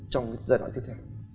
trong giai đoạn tiếp theo